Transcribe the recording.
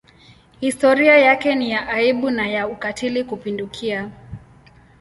Historia yake ni ya aibu na ya ukatili kupindukia.